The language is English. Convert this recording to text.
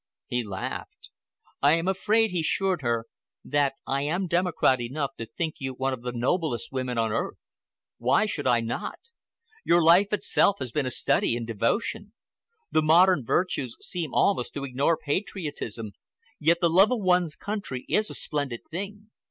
He laughed. "I am afraid," he assured her, "that I am democrat enough to think you one of the noblest women on earth. Why should I not? Your life itself has been a study in devotion. The modern virtues seem almost to ignore patriotism, yet the love of one's country is a splendid thing.